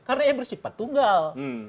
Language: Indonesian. karena yang bersifat tunggal